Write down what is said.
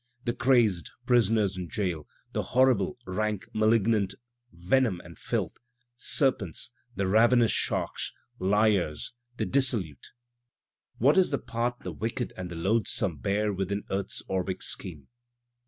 The crazed, prisoners in jail, the horrible, rank, malignant. Venom and filth, serpents, the ravenous sharks, liars, the dissolute; (What is the part the wicked and the loathesome bear within earth's orbic scheme?)